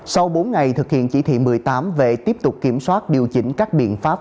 sau bốn ngày thực hiện chỉ thị một mươi tám về tiếp tục kiểm soát điều chỉnh các biện pháp